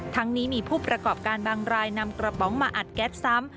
ทั้งนี้มีผู้ประกอบการบางรายนำกระป๋องมาอัดแก๊สซ้ำ